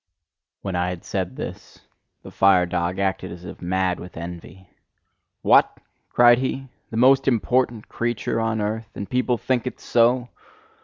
When I had said this, the fire dog acted as if mad with envy. "What!" cried he, "the most important creature on earth? And people think it so?"